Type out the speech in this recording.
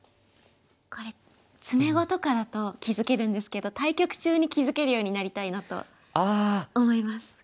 これ詰碁とかだと気付けるんですけど対局中に気付けるようになりたいなと思います。